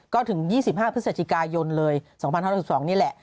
ก็ถึง๒๕พฤศจิกายนเลย๒๕๑๒นี่แหละ